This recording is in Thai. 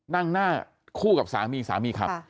นั่งหน้าคู่กับสามีสามีขับ